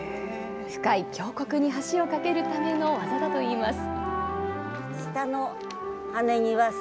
深い峡谷に橋を架けるための技だといいます。